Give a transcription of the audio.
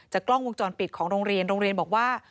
กล้องวงจรปิดของโรงเรียนโรงเรียนบอกว่า